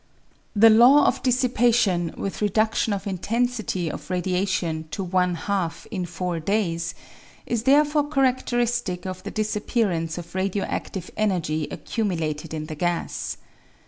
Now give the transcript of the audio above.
The law of dissipation with redudtion of intensity of radiation to one half in four days, is therefore charadteristic of the disappearance of radio adtive energy accumulated in the gas.